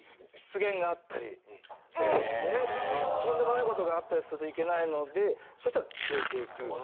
とんでもないことがあったりするといけないのでそういう人は消えていく。